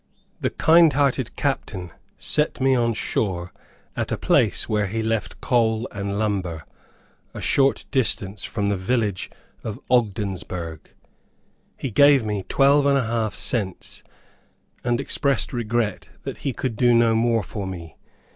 The kind hearted captain set me on shore at a place where he left coal and lumber, a short distance from the village of Ogdensburg. He gave me twelve and half cents, and expressed regret that he could do no more for me.